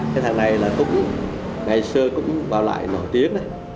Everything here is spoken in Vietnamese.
cái thằng này là cũng ngày xưa cũng vào loại nổi tiếng đấy